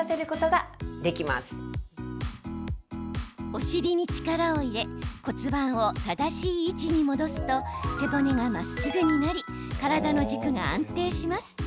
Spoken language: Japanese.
お尻に力を入れ骨盤を正しい位置に戻すと背骨がまっすぐになり身体の軸が安定します。